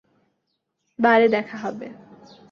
বারে দেখা হবে।